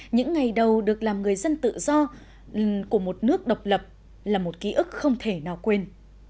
những ngày đầu được làm người dân tự do của một nước độc lập là một ký ức không thể nào quên